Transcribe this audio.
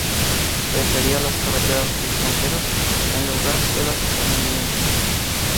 Prefería los carretes extranjeros en lugar de los estadounidenses.